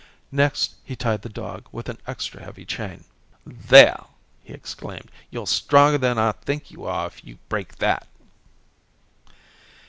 Next, he tied the dog with an extra heavy chain. "There," he exclaimed, "you're stronger than I think you are if you break that."